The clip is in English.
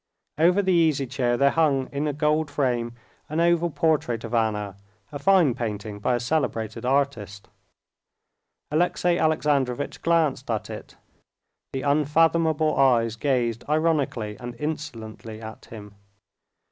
Over the easy chair there hung in a gold frame an oval portrait of Anna, a fine painting by a celebrated artist. Alexey Alexandrovitch glanced at it. The unfathomable eyes gazed ironically and insolently at him.